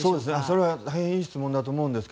それは大変いい質問だと思います。